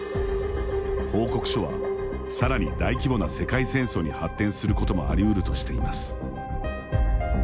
報告書は、さらに大規模な世界戦争に発展することもあり得るとしています。